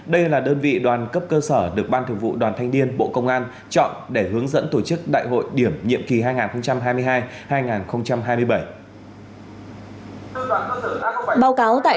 đây là đơn vị đoàn cấp cơ sở được ban thường vụ đoàn thanh niên bộ công an chọn để hướng dẫn tổ chức đại hội điểm nhiệm kỳ hai nghìn hai mươi hai hai nghìn hai mươi bảy